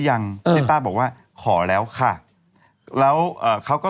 จะมีแต่ดอกไม้